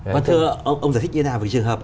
vâng thưa ông ông giải thích như thế nào về trường hợp